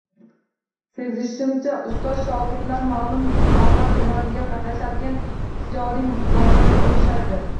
Sezishimcha, ustoz-shogirdlar maʼlum mablagʻ evaziga qatnashadigan tijoriy loyihaga o‘xshadi.